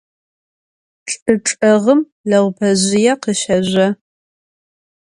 ЧӀы чӀэгъым лэгъупэжъые къыщэжъо.